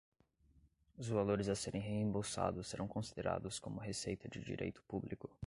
Os valores a serem reembolsados serão considerados como receita de direito público.